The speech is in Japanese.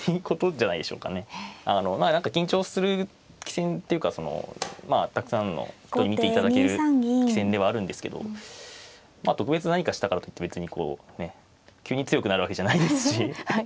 何か緊張する棋戦っていうかそのたくさんの人に見ていただける棋戦ではあるんですけど特別何かしたからといって別にこうね急に強くなるわけじゃないですし。